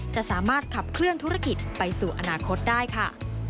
จะสามารถขับเคลื่อนธุรกิจไปสู่อนาคตได้ค่ะ